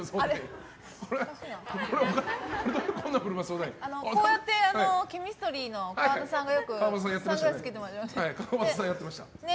あれこうやってＣＨＥＭＩＳＴＲＹの川畑さんがサングラスつけていましたよね。